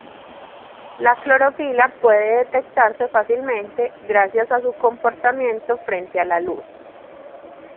La clorofila puede detectarse fácilmente gracias a su comportamiento frente a la luz.